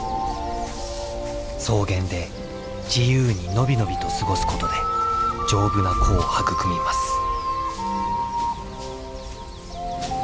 草原で自由に伸び伸びと過ごすことで丈夫な子を育みます。